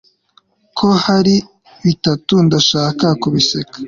Ko hari bitatu ndashaka kubiseka